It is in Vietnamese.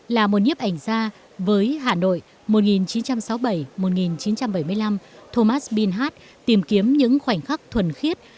là một nhiếp ảnh gia với hà nội một nghìn chín trăm sáu mươi bảy một nghìn chín trăm bảy mươi năm thomas bilhart tìm kiếm những khoảnh khắc thuần khiết